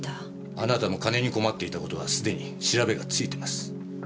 あなたも金に困っていた事はすでに調べがついてます。